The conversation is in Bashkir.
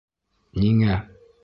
— Ниңә?!